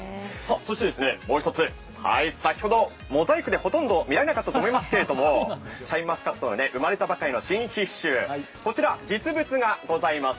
そしてもう一つ、先ほどモザイクでほとんど見られなかったと思いますけれども、シャインマスカット、生まれたばかりの新品種、こちら、実物がございます。